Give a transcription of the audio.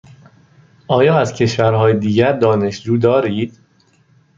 آیا از کشورهای دیگر دانشجو دارید؟